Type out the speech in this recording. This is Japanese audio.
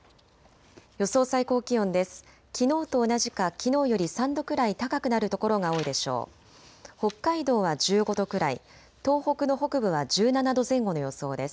予想最高気温です。